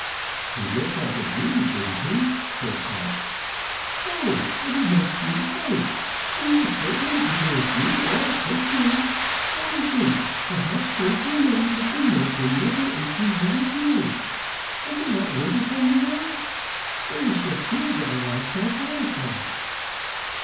"He looked like a Jew, didn't he?" said Pott. "Oh! I did not see the face; but he was certainly either a Jew or a Christian. Only think. Perhaps those remains have been there for nearly eighteen hundred years. Is it not wonderful? Mamma, it was just here that I lost my parasol."